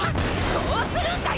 こうするんだよ！